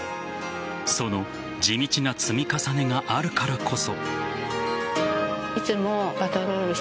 その地道な積み重ねがあるからこそ。